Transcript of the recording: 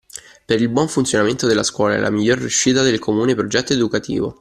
Per il buon funzionamento della scuola e la miglior riuscita del comune progetto educativo